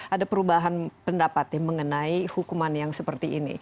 ada perubahan pendapatnya mengenai hukuman yang seperti ini